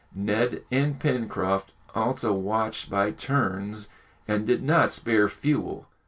Neb and Pencroft also watched by turns, and did not spare fuel.